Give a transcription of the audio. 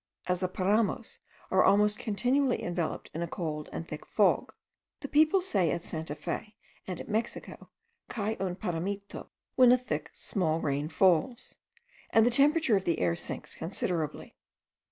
As the paramos are almost continually enveloped in a cold and thick fog, the people say at Santa Fe and at Mexico, cae un paramito when a thick small rain falls, and the temperature of the air sinks considerably.